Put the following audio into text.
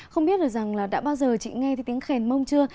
không biết là đã bao giờ chị nghe tiếng khèn mông chưa